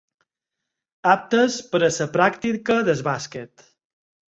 Aptes per a la pràctica del bàsquet.